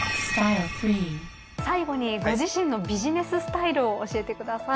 最後にご自身のビジネススタイルを教えてください。